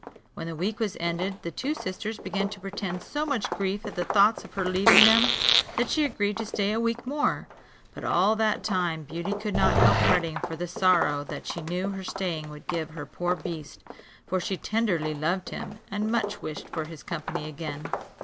When the week was ended, the two sisters began to pretend so much grief at the thoughts of her leaving them, that she agreed to stay a week more; but all that time Beauty could not help fretting for the sorrow that she knew her staying would give her poor beast; for she tenderly loved him, and much wished for his company again.